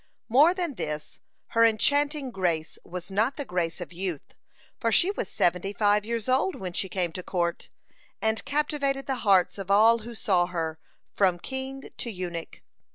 (67) More than this, her enchanting grace was not the grace of youth, for she was seventy five years old when she came to court, and captivated the hearts of all who saw her, from king to eunuch.